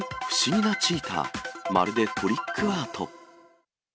不思議なチーター、まるでトリックアート。